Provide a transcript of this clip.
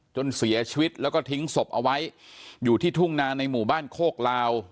จนเสียชีวิตแล้วก็ทิ้งศพเอาไว้อยู่ที่ทุ่งนาในหมู่บ้านโคกลาว